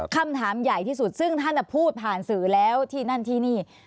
คำถามใหญ่ที่สุดซึ่งท่านพูดผ่านสื่อแล้วที่นั่นที่นี่